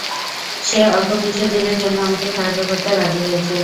সে অল্প কিছু দিনের জন্য আমাকে সাহায্য করতে রাজি হয়েছে।